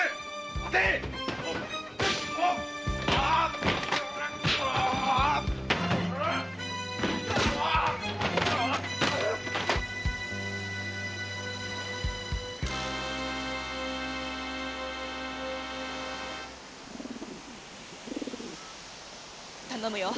待て！頼むよ。